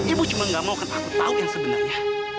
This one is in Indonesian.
ibu cuma gak mau aku tahu yang sebenarnya